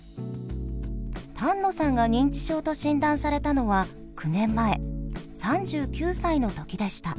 丹野さんが認知症と診断されたのは９年前３９歳の時でした。